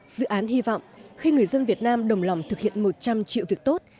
dự án hy vọng khi người dân việt nam đồng lòng thực hiện một trăm linh triệu việc tốt